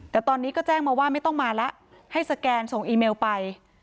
แต่ตอนนี้ก็แจ้งมาว่าไม่ต้องมาแล้วให้สแกนส่งอีเมลไป